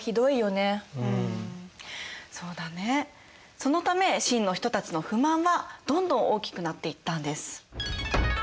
そのため清の人たちの不満はどんどん大きくなっていったんです。